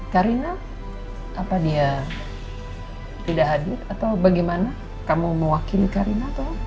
karina apa dia tidak hadir atau bagaimana kamu mewakili karina atau